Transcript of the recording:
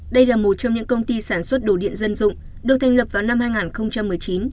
đây là một trong những công ty sản xuất đồ điện dân dụng được thành lập vào năm hai nghìn một mươi chín